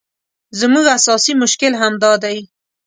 زموږ اساسي مشکل همدا دی.